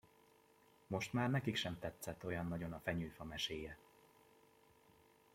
Most már nekik sem tetszett olyan nagyon a fenyőfa meséje.